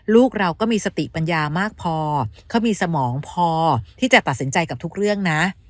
ลูกเราก็มีสติปัญญามากพอเขามีสมองพอที่จะตัดสินใจกับทุกเรื่องนะ